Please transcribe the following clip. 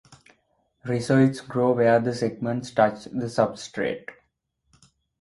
Rhizoids grow where the segments touch the substrate.